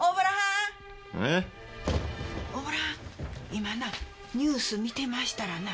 今なニュース観てましたらな